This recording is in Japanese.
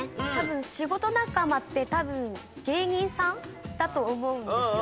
仕事仲間って多分芸人さんだと思うんですよ。